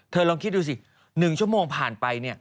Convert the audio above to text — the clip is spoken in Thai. ลองคิดดูสิ๑ชั่วโมงผ่านไป